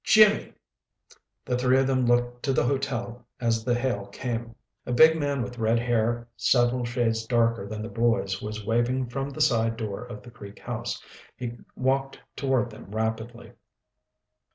"Jimmy!" The three of them looked to the hotel as the hail came. A big man with red hair several shades darker than the boy's was waving from the side door of the Creek House. He walked toward them rapidly.